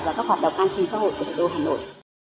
và các hoạt động an sinh xã hội của thủ đô hà nội